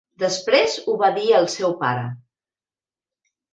Després ho va dir al seu pare